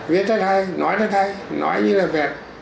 viết rất hay nói rất hay nói như là việt